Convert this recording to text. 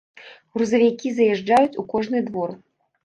Грузавікі заязджаюць у кожны двор.